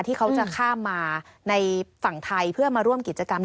ที่เขาจะข้ามมาในฝั่งไทยเพื่อมาร่วมกิจกรรม